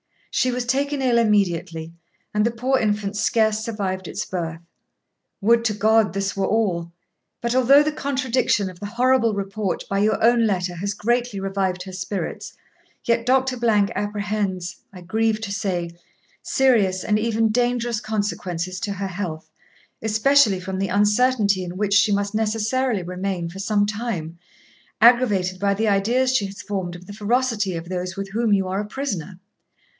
She was taken ill immediately; and the poor infant scarce survived its birth. Would to God this were all! But although the contradiction of the horrible report by your own letter has greatly revived her spirits, yet Dr. apprehends, I grieve to say, serious, and even dangerous, consequences to her health, especially from the uncertainty in which she must necessarily remain for some time, aggravated by the ideas she has formed of the ferocity of those with whom you are a prisoner.